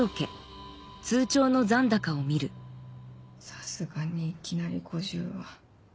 さすがにいきなり５０は。